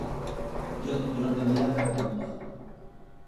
Jo no tenia cap culpa.